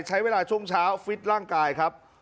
ใช้เวลาช่วงเช้าฟิตร่างกายครับ